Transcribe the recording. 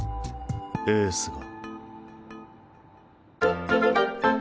エースが。